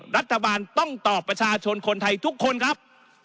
รัฐบาลต้องตอบประชาชนคนไทยทุกคนครับ